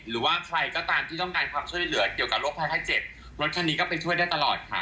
หรือว่าใครก็ตามที่ต้องการความช่วยเหลือเกี่ยวกับโรคภัยไข้เจ็บรถคันนี้ก็ไปช่วยได้ตลอดค่ะ